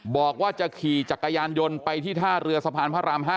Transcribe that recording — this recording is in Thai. บอกว่าจะขี่จักรยานยนต์ไปที่ท่าเรือสะพานพระราม๕